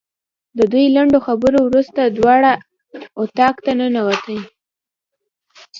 د دې لنډو خبرو وروسته دواړه اتاق ته ننوتې.